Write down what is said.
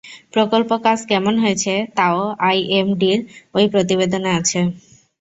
প্রকল্প কাজ কেমন হয়েছে তাও আইএমইডির ওই প্রতিবেদনে আছে।